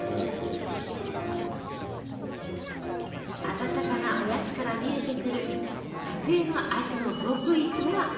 温かなおやつから見えてくる家庭の味の極意とは？